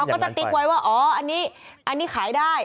ก็จะติ๊กไว้ว่าอ๋ออันนี้ขายได้